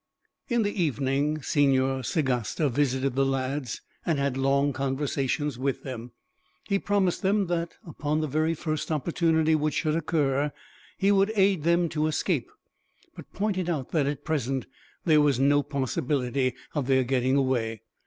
In the evening Senor Sagasta visited the lads, and had long conversations with them. He promised them that, upon the very first opportunity which should occur, he would aid them to escape; but pointed out that, at present, there was no possibility of their getting away.